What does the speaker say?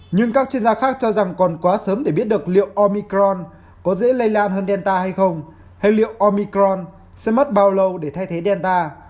nhưng các chuyên gia khác cho rằng còn quá sớm để biết được liệu omicron có dễ lây lan hơn delta hay không hay liệu omicron sẽ mất bao lâu để thay thế delta